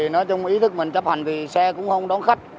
nói chung ý thức mình chấp hành vì xe cũng không đón khách